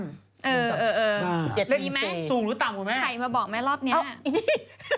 มีไหมสูงหรือต่ำหรือไหมใครมาบอกแม่รอบเนี้ยอ้าวอินี่